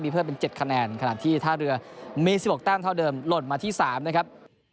มีเพิ่มเป็นเจ็ดคะแนนขนาดที่ท่าเรือมีสิบหกตั้งเท่าเดิมลดมาที่สามนะครับ